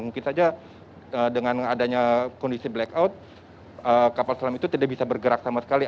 mungkin saja dengan adanya kondisi blackout kapal selam itu tidak bisa bergerak sama sekali